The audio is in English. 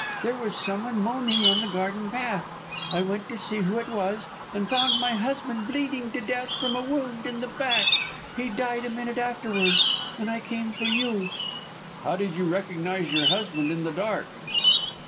There was someone moaning on the garden path. I went to see who it was, and found my husband bleeding to death from a wound in the back. He died a minute afterwards, and I came for you." "How did you recognise your husband in the dark?"